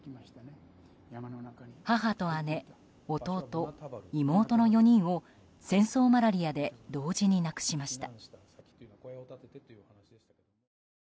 母と姉、弟、妹の４人を戦争マラリアで同時に亡くしました。